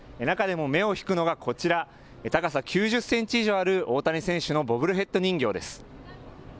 中でも目を引くのがこちら、高さ９０センチ以上ある大谷選手のバブルヘッド人形です。